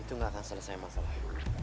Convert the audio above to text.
itu gak akan selesai masalah